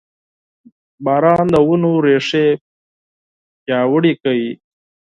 • باران د ونو ریښې پیاوړې کوي.